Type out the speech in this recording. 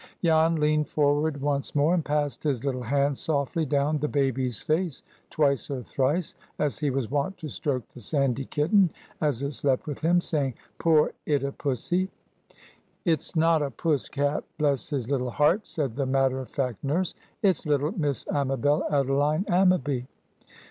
Jan leaned forward once more, and passed his little hand softly down the baby's face twice or thrice, as he was wont to stroke the sandy kitten, as it slept with him, saying, "Poor itta pussy!" "It's not a puss cat, bless his little heart!" said the matter of fact nurse. "It's little Miss Amabel Adeline Ammaby."